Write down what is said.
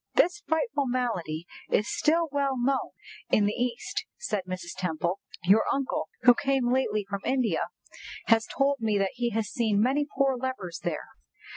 "This frightful malady is still well known in the East," said Mrs. Temple. "Your uncle, who came lately from India, has told me that he has seen many poor lepers there.